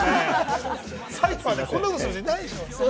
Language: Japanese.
サイファー、こんなことする人いないでしょ？